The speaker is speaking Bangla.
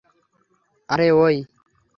আরে, ওই।